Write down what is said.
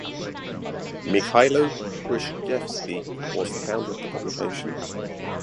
Mykhailo Hrushevsky was the founder of the publication.